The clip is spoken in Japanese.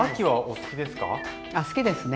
好きですね。